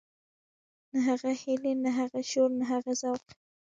نه هغه هيلې نه هغه شور نه هغه ذوق.